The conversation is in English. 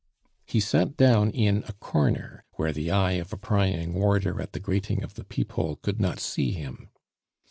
He sat down in a corner where the eye of a prying warder at the grating of the peephole could not see him.